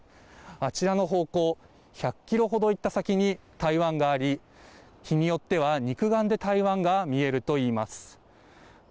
あちらの方向１００キロほど行った先に、台湾があり、日によっては肉眼で台湾が見えるといいます。